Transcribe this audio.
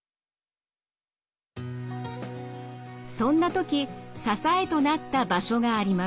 そんな時支えとなった場所があります。